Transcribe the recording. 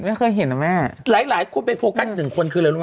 ไม่เคยเห็นนะแม่หลายหลายคนไปโฟกัสอีกหนึ่งคนคืออะไรรู้ไหม